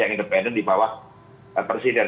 yang independen di bawah presiden